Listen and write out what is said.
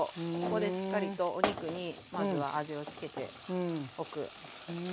ここでしっかりとお肉にまずは味を付けておく。